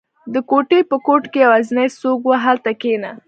• د کوټې په ګوټ کې یوازینی څوکۍ وه، هلته کښېنه.